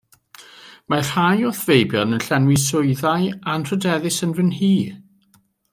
Mae rhai o'th feibion yn llenwi swyddau anrhydeddus yn fy nhŷ.